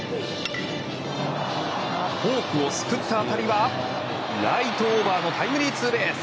フォークをすくった当たりはライトオーバーのタイムリーツーベース！